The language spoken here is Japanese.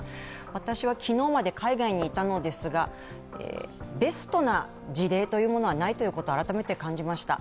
私は昨日まで海外にいたのですがベストな事例はないということを改めて感じました。